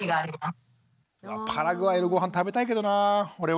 パラグアイのごはん食べたいけどなぁ俺は。